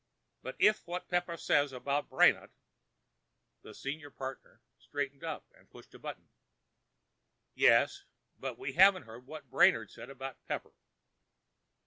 "But if w'at Pepper says about Brainard——" The senior partner straightened up and pushed a button. "Yes. But We haven't heard what Brainard says about Pepper."